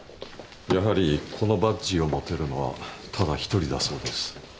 やはりこのバッジを持てるのはただ一人だそうです。